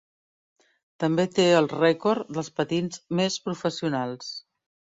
També té el rècord dels patins més professionals.